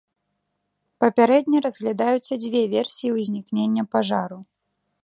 Папярэдне разглядаюцца дзве версіі ўзнікнення пажару.